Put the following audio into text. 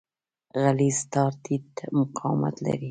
غلیظ تار ټیټ مقاومت لري.